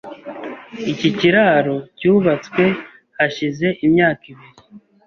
Iki kiraro cyubatswe hashize imyaka ibiri.